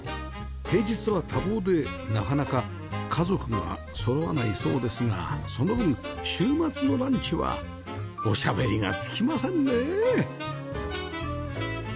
平日は多忙でなかなか家族がそろわないそうですがその分週末のランチはおしゃべりが尽きませんね